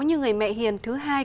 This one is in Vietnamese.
như người mẹ hiền thứ hai